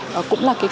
đó cũng là cái